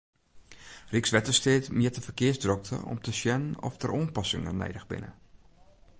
Rykswettersteat mjit de ferkearsdrokte om te sjen oft der oanpassingen nedich binne.